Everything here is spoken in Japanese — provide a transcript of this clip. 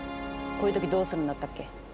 こういうときどうするんだったっけ？